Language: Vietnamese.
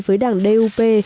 với đảng dup